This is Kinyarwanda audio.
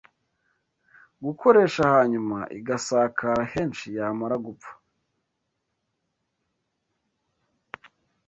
gukoresha hanyuma igasakara henshi yamara gupfa